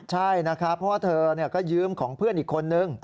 ใช่นะครับเพราะว่าเธอก็ยืมของเพื่อนอีกคนนึง